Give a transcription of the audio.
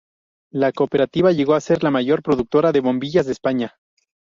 La cooperativa llegó a ser la mayor productora de bombillas de España.